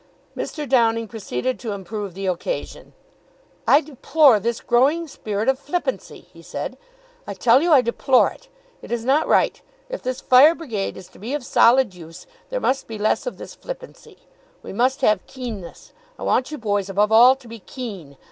Mr. Downing proceeded to improve the occasion. "I deplore this growing spirit of flippancy," he said. "I tell you I deplore it! It is not right! If this Fire Brigade is to be of solid use, there must be less of this flippancy. We must have keenness. I want you boys above all to be keen.